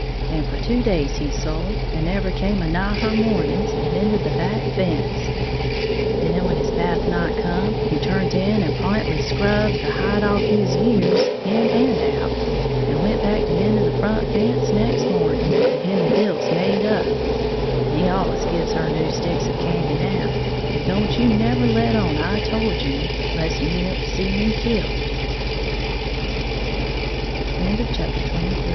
And for two days he sulled, and never come anigh her mornings, and mended the back fence. Then when his bath night come, he turnt in and pintly scrubbed the hide off his years, in and out, and went back to mending the front fence next morning; and him and Dilse made up; and he allus gives her new sticks of candy now; and don't you never let on I told you, less'n you want to see me k